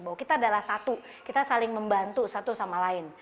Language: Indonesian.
bahwa kita adalah satu kita saling membantu satu sama lain